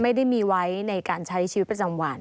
ไม่ได้มีไว้ในการใช้ชีวิตประจำวัน